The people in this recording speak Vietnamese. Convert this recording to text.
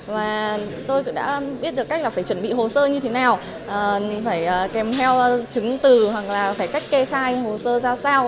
và tôi cũng đã biết được cách là phải chuẩn bị hồ sơ như thế nào phải kèm theo chứng từ hoặc là phải cách kê khai hồ sơ ra sao